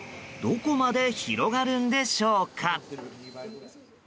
どこまで広がるんでしょうか？